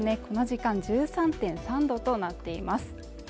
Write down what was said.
この時間１３．３度となっています